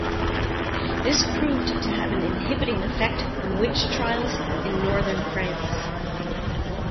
This proved to have an inhibiting effect on witch trials in Northern France.